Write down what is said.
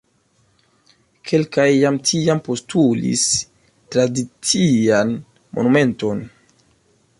Kelkaj jam tiam postulis tradician monumenton.